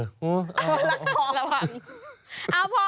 เอาละพอแล้วค่ะ